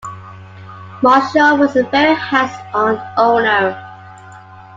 Marshall was a very hands-on owner.